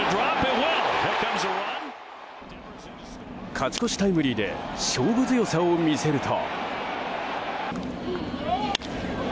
勝ち越しタイムリーで勝負強さを見せると。